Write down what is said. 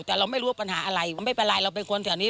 แต่เราไม่รู้ว่าปัญหาอะไรมันไม่เป็นไรเราเป็นคนแถวนี้